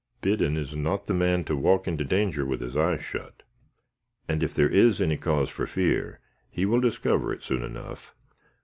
"Biddon is not the man to walk into danger with his eyes shut, and if there is any cause for fear, he will discover it soon enough."